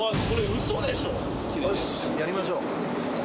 よしやりましょう。